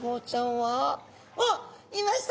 あっいました！